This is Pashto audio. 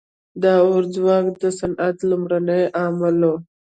• د اور ځواک د صنعت لومړنی عامل و.